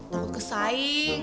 tau takut kesaing